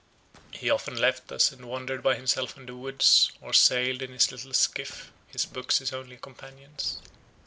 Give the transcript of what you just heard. He often left us, and wandered by himself in the woods, or sailed in his little skiff, his books his only companions.